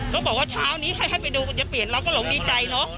แล้วบอกว่าเช้านี้ให้ไปดูจะเปลี่ยนเราก็หลงดีใจเนอะ